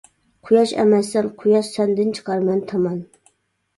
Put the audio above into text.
قۇياش ئەمەسسەن، قۇياش سەندىن چىقار مەن تامان.